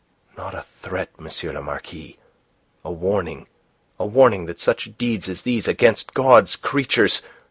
"Not a threat, M. le Marquis a warning. A warning that such deeds as these against God's creatures...